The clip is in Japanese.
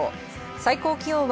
最高気温は